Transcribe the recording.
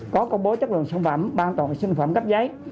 có công bố chất lượng sản phẩm an toàn sinh phẩm cấp giấy